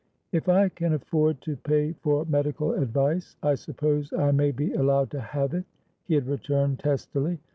"If I can afford to pay for medical advice, I suppose I may be allowed to have it," he had returned, testily.